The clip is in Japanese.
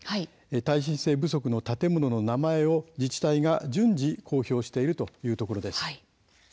耐震性不足の建物の名前を自治体が順次公表しているというところです。